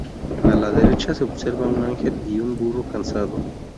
A la derecha se observa un ángel y un burro cansado.